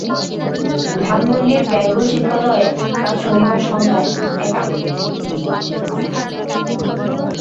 ধানমন্ডির বেঙ্গল শিল্পালয়ে কাল শনিবার সন্ধ্যায় একক আবৃত্তি পরিবেশন করবেন হাসান আরিফ।